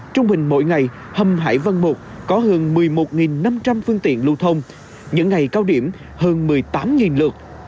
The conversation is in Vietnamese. trong hình mỗi ngày hầm hải vân i có hơn một mươi một năm trăm linh phương tiện lưu thông những ngày cao điểm hơn một mươi tám lượt